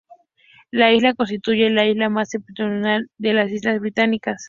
La isla constituye la isla más septentrional de las Islas Británicas.